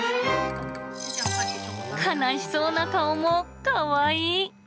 悲しそうな顔もかわいい。